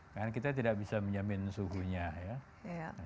karena kita tidak bisa menjamin suhunya ya